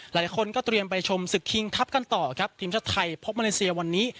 หลายคนก็เตรียมไปชมศึกคิงทัพกันต่อครับทีมชาติไทยพบมาเลเซียวันนี้